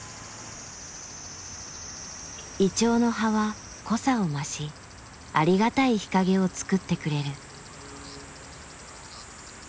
銀杏の葉は濃さを増しありがたい日陰をつくってくれる。